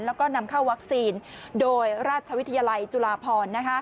และนำเข้าวัคซีนโดยราชวิทยาลัยจุฬาภอนฯ